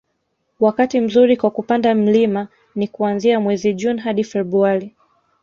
wakati mzuri kwa kupanda mlima ni kuanzia mwezi Juni hadi Februari